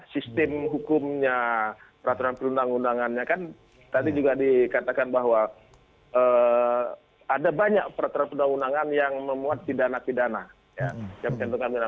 sistem hukumnya peraturan perundang undangannya kan tadi juga dikatakan bahwa ada banyak peraturan perundang undangan yang memuat pidana pidana